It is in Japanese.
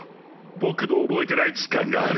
僕の覚えてない時間がある。